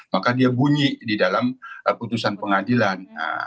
maka dia bunyi di dalam putusan pengadilan